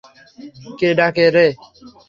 কে ডাকে রে?